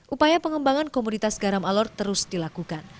upaya pengembangan komoditas garam alor terus dilakukan